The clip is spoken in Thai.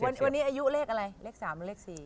วันนี้อายุเลขอะไรเลข๓มันเลข๔